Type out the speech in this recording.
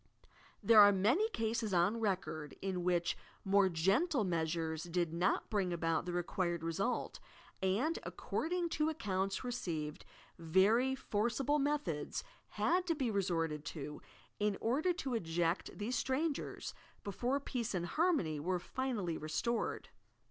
There are many cases on record in whioh more gentle measures did not bring about the required result, and, according to accounts received, ver>' forcible methods had to be resorted to, in order to eject these strangers, before peace and harmony were finally restored!